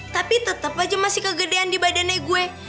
tapi tetap aja masih kegedean di badannya gue